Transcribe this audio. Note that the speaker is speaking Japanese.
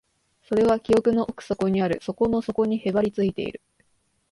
それは記憶の奥底にある、底の底にへばりついている